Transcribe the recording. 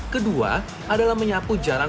kedua adalah menyapu jalan